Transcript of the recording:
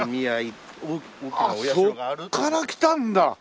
あっそこからきたんだ。